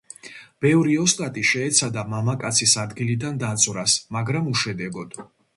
ბევრი ოსტატი შეეცადა მამაკაცის ადგილიდან დაძვრას, მაგრამ უშედეგოდ.